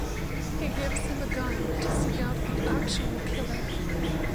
He gives him a gun to seek out the actual killer.